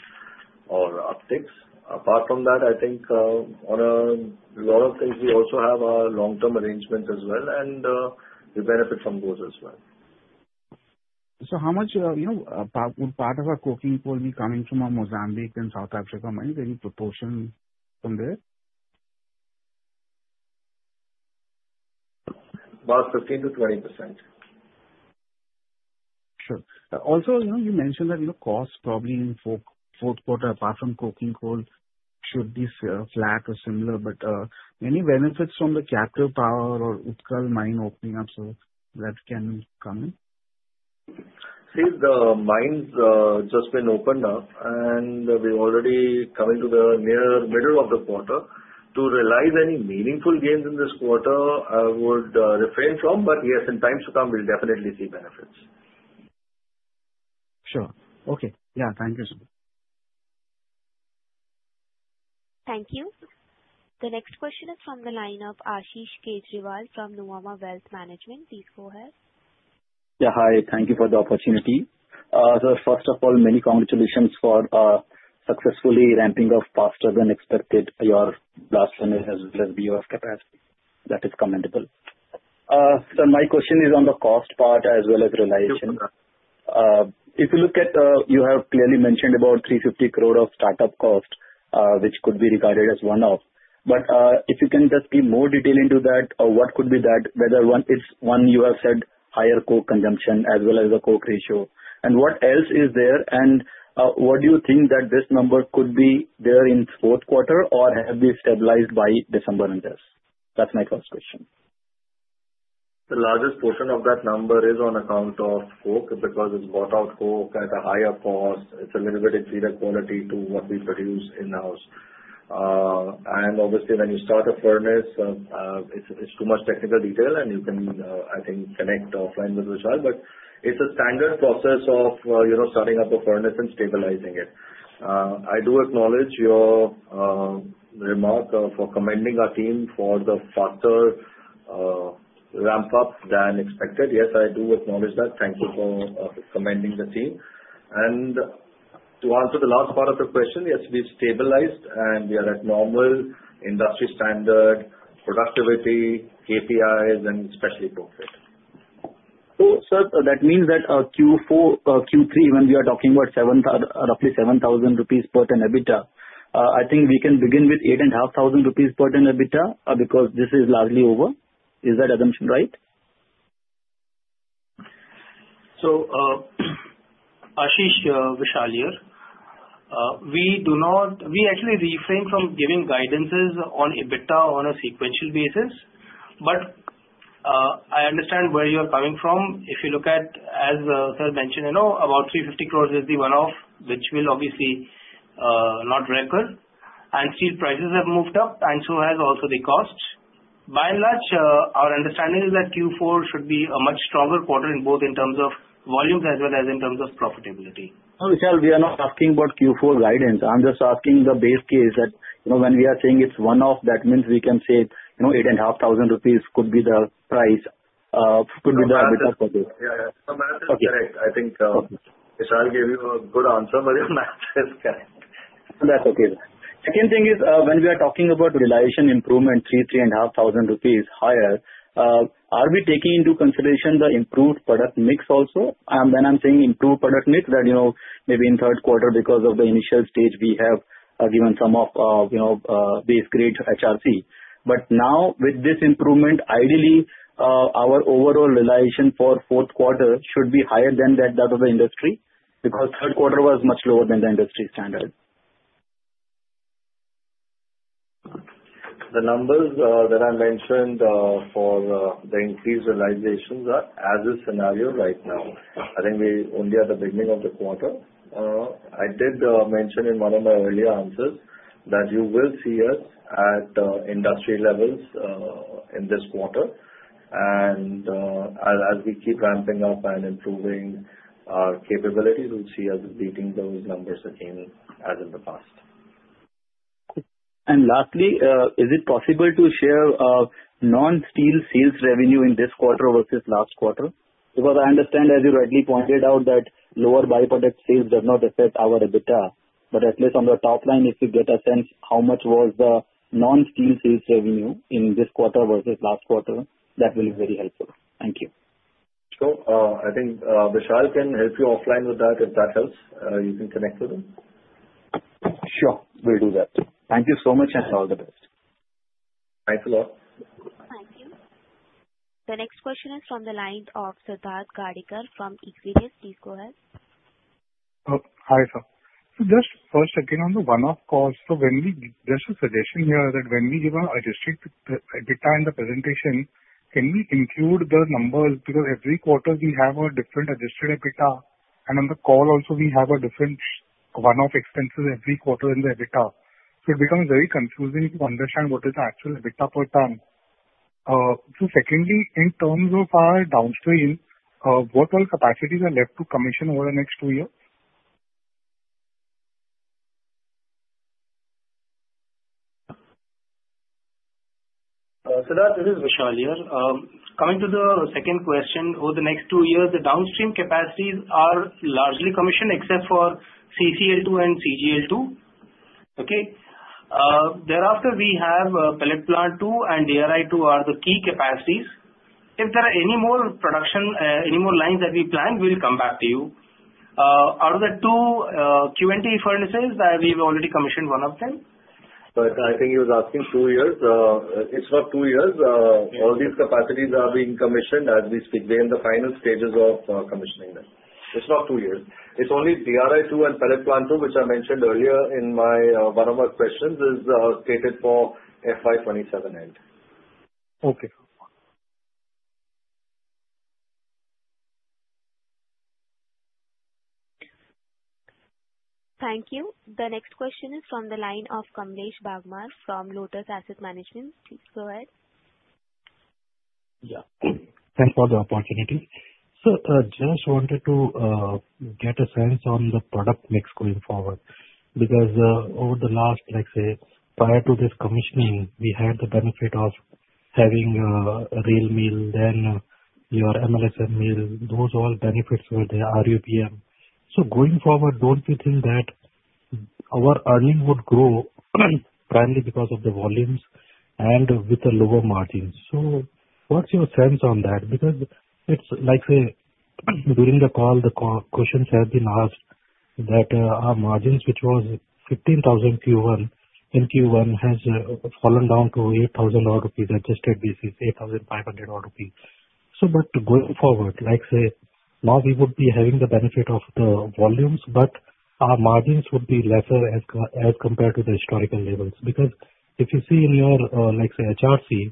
or upticks. Apart from that, I think, on a lot of things, we also have our long-term arrangements as well, and we benefit from those as well. So how much, you know, part, part of our coking coal be coming from, Mozambique and South Africa, mind, any proportion from there? About 15%-20%. Sure. Also, you know, you mentioned that, you know, cost probably in fourth quarter, apart from coking coal, should be flat or similar, but any benefits from the captive power or Utkal Mine opening up, so that can come in? Since the mine's just been opened up and we're already coming to the near middle of the quarter, to realize any meaningful gains in this quarter, I would refrain from. But yes, in times to come, we'll definitely see benefits. Sure. Okay. Yeah, thank you, sir. Thank you. The next question is from the line of Ashish Kejriwal from Nuvama Wealth Management. Please go ahead. Yeah, hi. Thank you for the opportunity. So first of all, many congratulations for successfully ramping up faster than expected your last furnace as well as BOF capacity. That is commendable. So my question is on the cost part as well as realization. Sure. If you look at, you have clearly mentioned about 350 crore of startup cost, which could be regarded as one-off. But if you can just give more detail into that, or what could be that, whether one is, one, you have said higher coke consumption as well as the coke ratio. And what else is there, and what do you think that this number could be there in fourth quarter or have been stabilized by December end, yes? That's my first question. The largest portion of that number is on account of coke, because it's bought out coke at a higher cost. It's a little bit inferior quality to what we produce in-house. And obviously, when you start a furnace, it's too much technical detail, and you can, I think, connect offline with Vishal. But it's a standard process of, you know, starting up a furnace and stabilizing it. I do acknowledge your remark for commending our team for the faster ramp-up than expected. Yes, I do acknowledge that. Thank you for commending the team. And to answer the last part of the question, yes, we've stabilized, and we are at normal industry standard, productivity, KPIs, and especially profit. So, sir, that means that Q4 Q3, when we are talking about roughly 7,000 rupees per ton EBITDA, I think we can begin with 8,500 rupees per ton EBITDA, because this is largely over. Is that assumption right? So, Ashish, Vishal here. We do not-- we actually refrain from giving guidances on EBITDA on a sequential basis, but, I understand where you're coming from. If you look at, as, sir mentioned, you know, about 350 crore is the one-off, which will obviously, not recur. And steel prices have moved up, and so has also the costs. By and large, our understanding is that Q4 should be a much stronger quarter in both in terms of volumes as well as in terms of profitability. No, Vishal, we are not asking about Q4 guidance. I'm just asking the base case that, you know, when we are saying it's one-off, that means we can say, you know, 8,500 rupees could be the price, could be the EBITDA for this. Yeah, yeah. The math is correct. Okay. I think, Vishal gave you a good answer, but your math is correct. That's okay. Second thing is, when we are talking about realization improvement, 3,000-3,500 rupees higher, are we taking into consideration the improved product mix also? And when I'm saying improved product mix, where, you know, maybe in third quarter, because of the initial stage, we have given some of, you know, base grade HRC. But now, with this improvement, ideally, our overall realization for fourth quarter should be higher than that of the industry, because third quarter was much lower than the industry standard. The numbers that I mentioned for the increased realizations are as a scenario right now. I think we're only at the beginning of the quarter. I did mention in one of my earlier answers, that you will see us at industry levels in this quarter. And as we keep ramping up and improving our capabilities, we'll see us beating those numbers again, as in the past. And lastly, is it possible to share non-steel sales revenue in this quarter versus last quarter? Because I understand, as you rightly pointed out, that lower by-product sales does not affect our EBITDA. But at least on the top line, just to get a sense, how much was the non-steel sales revenue in this quarter versus last quarter? That will be very helpful. Thank you. Sure. I think, Vishal can help you offline with that, if that helps. You can connect with him. Sure, we'll do that. Thank you so much, and all the best. Thanks a lot. Thank you. The next question is from the line of Siddharth Gadekar from Equirus Securities. Please go ahead. Hi, sir. Just first, again, on the one-off costs, so when we—just a suggestion here, that when we give our Adjusted EBITDA in the presentation, can we include the numbers? Because every quarter we have a different Adjusted EBITDA, and on the call also, we have a different one-off expenses every quarter in the EBITDA. So it becomes very confusing to understand what is the actual EBITDA per ton. So secondly, in terms of our downstream, what all capacities are left to commission over the next two years? Siddharth, this is Vishal here. Coming to the second question, over the next 2 years, the downstream capacities are largely commissioned except for CCL 2 and CGL 2. Okay? Thereafter, we have Pellet Plant 2 and DRI 2 are the key capacities. If there are any more production, any more lines that we plan, we'll come back to you. Out of the 2, Q&T furnaces, we've already commissioned 1 of them. But I think he was asking 2 years. It's not 2 years. Yeah. All these capacities are being commissioned as we speak. They're in the final stages of commissioning them. It's not two years. It's only DRI 2 and Pellet Plant 2, which I mentioned earlier in my one of my questions, is slated for FY 2027 end. Okay. Thank you. The next question is from the line of Kamlesh Bagmar from Lotus Asset Managers. Please go ahead. Yeah. Thanks for the opportunity. So, just wanted to get a sense on the product mix going forward. Because, over the last, let's say, prior to this commissioning, we had the benefit of having a rail mill, then your MLSM mill. Those all benefits were there, RUBM. So going forward, don't you think that our earnings would grow primarily because of the volumes and with the lower margins? So what's your sense on that? Because it's like, say, during the call, the questions have been asked that our margins, which was 15,000 Q1, in Q1, has fallen down to 8,000 odd rupees, adjusted basis 8,500 odd rupees. So but going forward, like, say, now we would be having the benefit of the volumes, but our margins would be lesser as compared to the historical levels. Because if you see in your, like, say, HRC,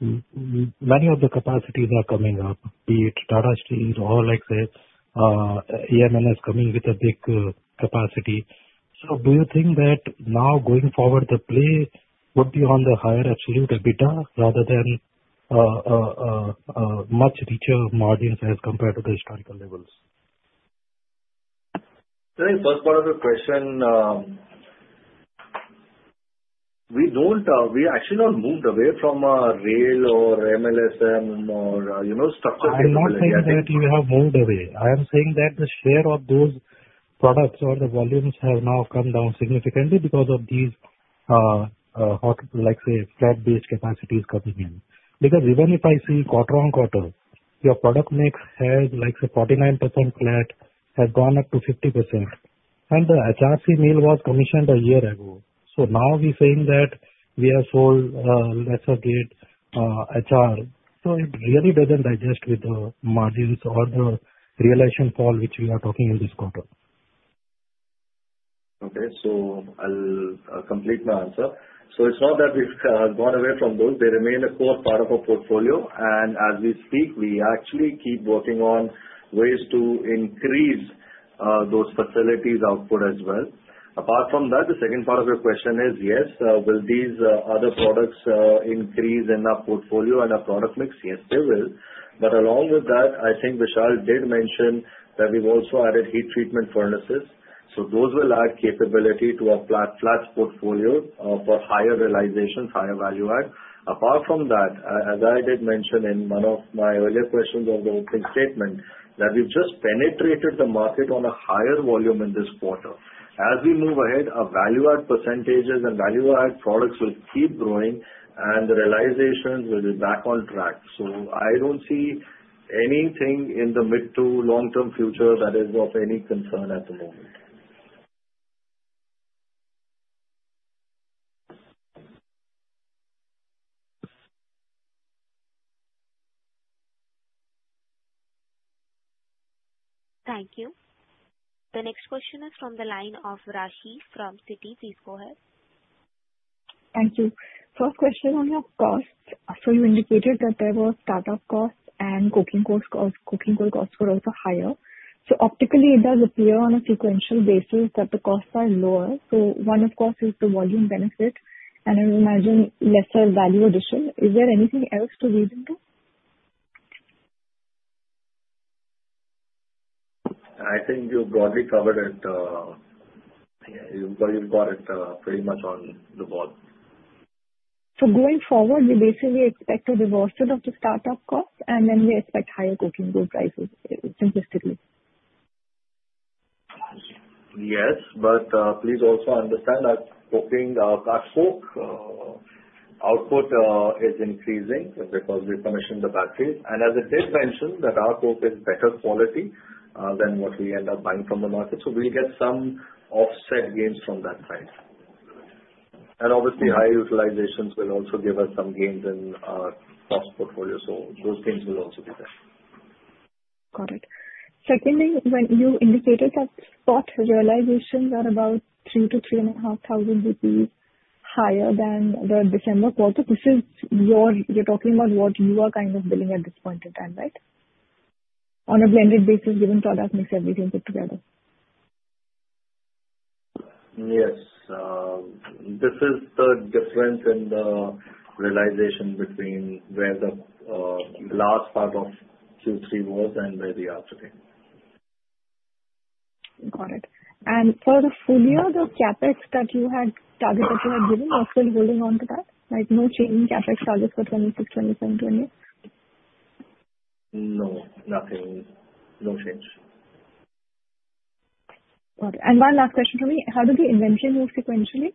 many of the capacities are coming up, be it Tata Steel or like, say, AMNS is coming with a big capacity. So do you think that now going forward, the play would be on the higher absolute EBITDA, rather than much richer margins as compared to the historical levels? So the first part of the question, we don't. We actually have moved away from rail or MLSM or, you know, structural- I'm not saying that you have moved away. I am saying that the share of those products or the volumes have now come down significantly because of these, like, say, flat-based capacities coming in. Because even if I see quarter-on-quarter, your product mix has, like, say, 49% flat, has gone up to 50%, and the HRC mill was commissioned a year ago. So now we're saying that we have sold, lesser grade, HR. So it really doesn't digest with the margins or the realization fall, which we are talking in this quarter. Okay. So I'll complete my answer. So it's not that we've gone away from those. They remain a core part of our portfolio, and as we speak, we actually keep working on ways to increase those facilities' output as well. Apart from that, the second part of your question is, yes, will these other products increase in our portfolio and our product mix? Yes, they will. But along with that, I think Vishal did mention that we've also added heat treatment furnaces, so those will add capability to our flats portfolio for higher realization, higher value add. Apart from that, as I did mention in one of my earlier questions on the opening statement, that we've just penetrated the market on a higher volume in this quarter. As we move ahead, our value add percentages and value add products will keep growing, and the realizations will be back on track. So I don't see anything in the mid to long-term future that is of any concern at the moment. Thank you. The next question is from the line of Raashi from Citi. Please go ahead. Thank you. First question on your costs. So you indicated that there were startup costs and coking costs, or coking coal costs were also higher.... So optically, it does appear on a sequential basis that the costs are lower. So one, of course, is the volume benefit, and I imagine lesser value addition. Is there anything else to read into? I think you've broadly covered it. You've got it pretty much on the ball. So going forward, we basically expect a reversal of the startup costs, and then we expect higher coking coal prices, simplistically? Yes, but please also understand that coking cast coke output is increasing because we commissioned the batteries. And as I did mention, that our coke is better quality than what we end up buying from the market, so we'll get some offset gains from that side. And obviously, higher utilizations will also give us some gains in our cost portfolio, so those gains will also be there. Got it. Secondly, when you indicated that spot realizations are about 3,000-3,500 rupees higher than the December quarter, this is your-- you're talking about what you are kind of billing at this point in time, right? On a blended basis, given product mix, everything put together. Yes. This is the difference in the realization between where the last part of Q3 was and where we are today. Got it. And for the full year, the CapEx that you had targeted, you had given, you're still holding on to that? Like, no change in CapEx targets for 2026, 2027, 2028? No, nothing. No change. Got it. One last question for you. How did the inventory move sequentially?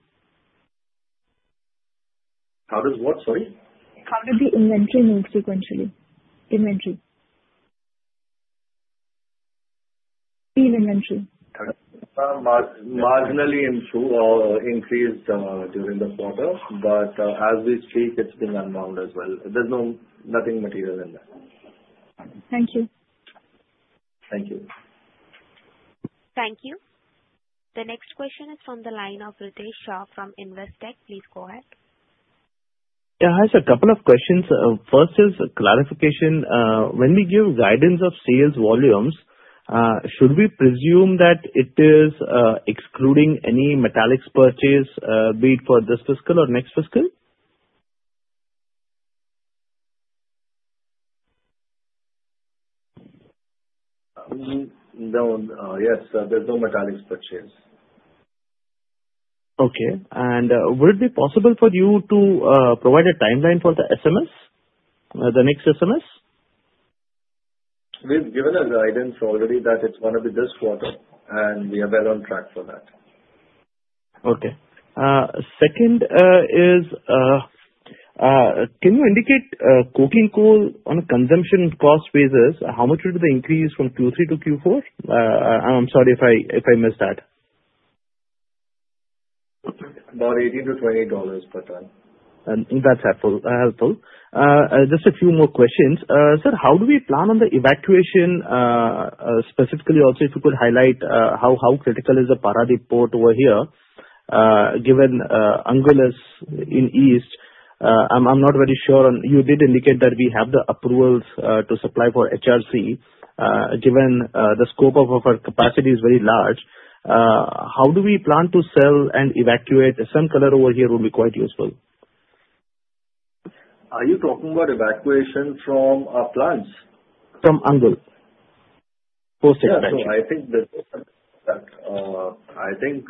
How does what, sorry? How did the inventory move sequentially? Inventory. Steel inventory. Marginally improved or increased during the quarter, but as we speak, it's been unwound as well. There's nothing material in that. Thank you. Thank you. Thank you. The next question is from the line of Ritesh Shah from Investec. Please go ahead. Yeah, hi, sir. A couple of questions. First is clarification. When we give guidance of sales volumes, should we presume that it is excluding any metallics purchase, be it for this fiscal or next fiscal? No, yes, there's no metallics purchase. Okay. And, would it be possible for you to provide a timeline for the SMS, the next SMS? We've given a guidance already that it's gonna be this quarter, and we are well on track for that. Okay. Second, can you indicate coking coal on a consumption cost basis, how much would be the increase from Q3 to Q4? I'm sorry if I missed that. About $18-$28 per ton. That's helpful, helpful. Just a few more questions. Sir, how do we plan on the evacuation, specifically also, if you could highlight how critical is the Paradip Port over here, given Angul in the east? I'm not very sure, and you did indicate that we have the approvals to supply for HRC. Given the scope of our capacity is very large, how do we plan to sell and evacuate? Some color over here would be quite useful. Are you talking about evacuation from our plants? From Angul. Yeah, so I think that, I think,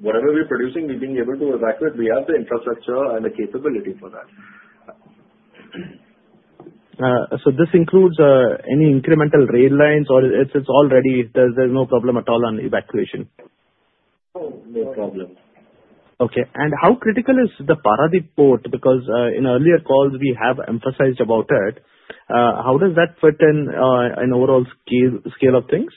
whatever we're producing, we've been able to evacuate. We have the infrastructure and the capability for that. So this includes any incremental rail lines, or it's already, there's no problem at all on evacuation? No, no problem. Okay. And how critical is the Paradip Port? Because, in earlier calls, we have emphasized about it. How does that fit in, in overall scale of things?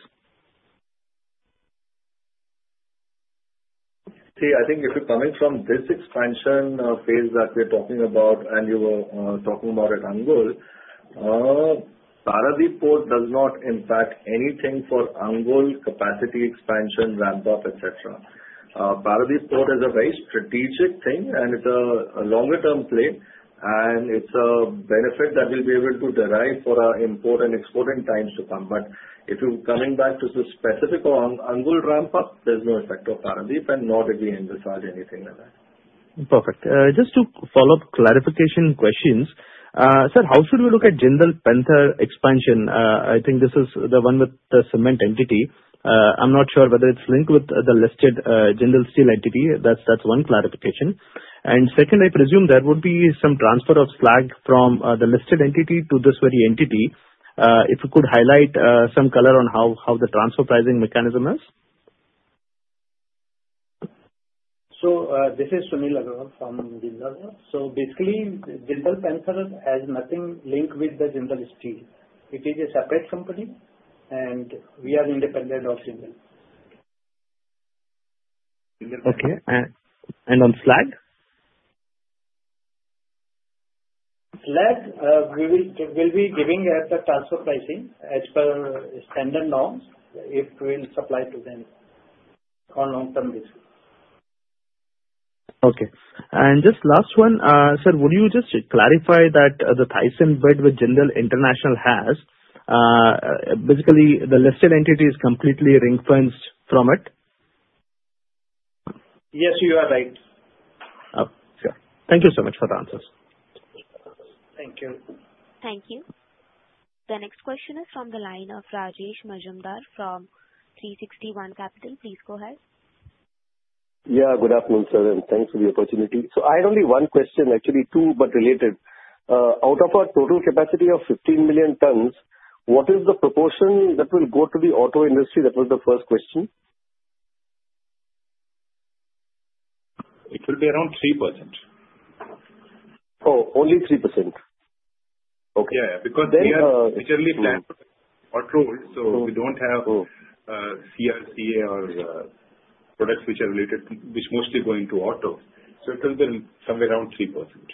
See, I think if you're coming from this expansion phase that we're talking about, and you were talking about at Angul, Paradip Port does not impact anything for Angul capacity expansion, ramp up, et cetera. Paradip Port is a very strategic thing, and it's a longer term play, and it's a benefit that we'll be able to derive for our import and export in times to come. But if you're coming back to the specific on Angul ramp up, there's no effect of Paradip, and nor did we emphasize anything in that. Perfect. Just to follow up clarification questions, sir, how should we look at Jindal Panther expansion? I think this is the one with the cement entity. I'm not sure whether it's linked with the listed Jindal Steel entity. That's, that's one clarification. And second, I presume there would be some transfer of slag from the listed entity to this very entity. If you could highlight some color on how the transfer pricing mechanism is. So, this is Sunil Agrawal from Jindal. So basically, Jindal Panther has nothing linked with the Jindal Steel. It is a separate company, and we are independent of Jindal. Okay, and, and on slag? Slag, we'll be giving as a transfer pricing as per standard norms if we will supply to them on long-term basis.... Okay. And just last one, sir, would you just clarify that the ThyssenKrupp bid which Jindal International has basically, the listed entity is completely ring-fenced from it? Yes, you are right. Oh, sure. Thank you so much for the answers. Thank you. Thank you. The next question is from the line of Rajesh Majumdar from 360 ONE Capital. Please go ahead. Yeah, good afternoon, sir, and thanks for the opportunity. So I have only one question, actually two, but related. Out of our total capacity of 15 million tons, what is the proportion that will go to the auto industry? That was the first question. It will be around 3%. Oh, only 3%? Okay. Yeah, because we are literally plant out, so we don't have- Oh. CRCA or products which are related, which mostly going to auto. So it will be somewhere around 3%.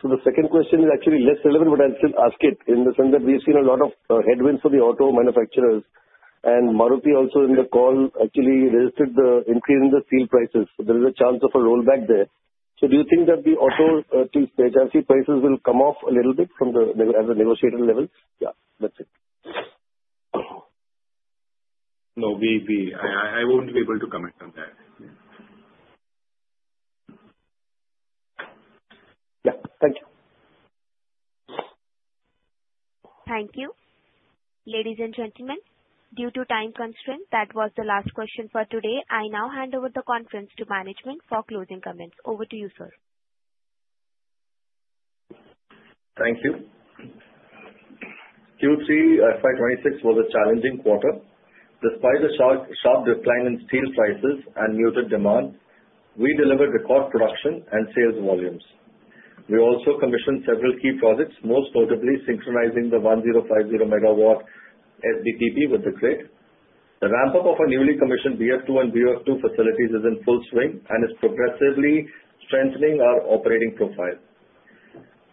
So the second question is actually less relevant, but I'll still ask it. In the sense that we've seen a lot of headwinds for the auto manufacturers, and Maruti also in the call, actually registered the increase in the steel prices. So there is a chance of a rollback there. So do you think that the auto steel prices will come off a little bit from the at the negotiating level? Yeah, that's it. No, I won't be able to comment on that. Yeah. Thank you. Thank you. Ladies and gentlemen, due to time constraint, that was the last question for today. I now hand over the conference to management for closing comments. Over to you, sir. Thank you. Q3 FY 2026 was a challenging quarter. Despite the sharp, sharp decline in steel prices and muted demand, we delivered record production and sales volumes. We also commissioned several key projects, most notably synchronizing the 1,050 MW CPP with the grid. The ramp-up of our newly commissioned BF2 and BOF2 facilities is in full swing and is progressively strengthening our operating profile.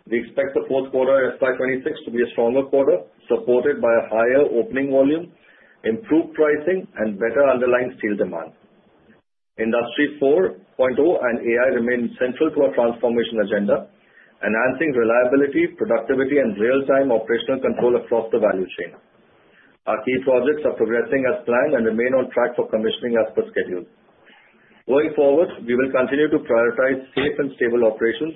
We expect the fourth quarter FY 2026 to be a stronger quarter, supported by a higher opening volume, improved pricing, and better underlying steel demand. Industry 4.0 and AI remain central to our transformation agenda, enhancing reliability, productivity, and real-time operational control across the value chain. Our key projects are progressing as planned and remain on track for commissioning as per schedule. Going forward, we will continue to prioritize safe and stable operations,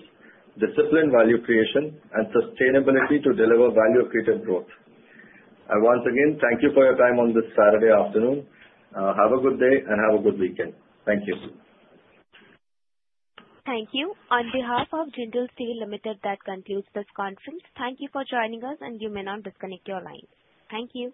disciplined value creation, and sustainability to deliver value-accretive growth. Once again, thank you for your time on this Saturday afternoon. Have a good day and have a good weekend. Thank you. Thank you. On behalf of Jindal Steel & Power Limited, that concludes this conference. Thank you for joining us, and you may now disconnect your line. Thank you.